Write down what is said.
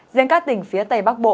riêng các tỉnh phía tây bắc bộ